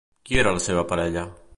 Qui era la seva parella?